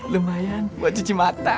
lumayan buat cuci mata